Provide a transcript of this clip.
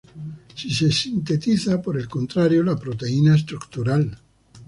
Sí se sintetiza, por el contrario, la proteína estructural.